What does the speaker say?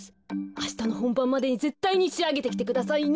あしたのほんばんまでにぜったいにしあげてきてくださいね！